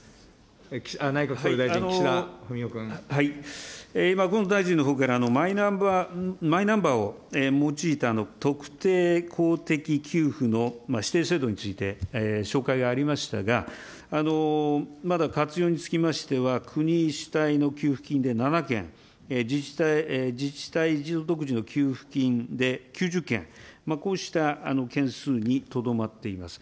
内閣総理大臣、今、河野大臣のほうから、マイナンバーを用いた特定公的給付の指定制度について、紹介がありましたが、まだ活用につきましては、国主体の給付金で７件、自治体独自の給付金で９０件、こうした件数にとどまっています。